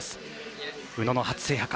宇野の初制覇か。